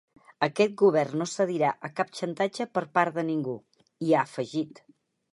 Aquest govern no cedirà a cap xantatge per part de ningú, hi ha afegit.